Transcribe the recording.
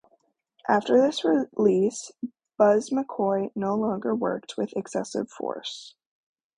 After this release, Buzz McCoy no longer worked with Excessive Force.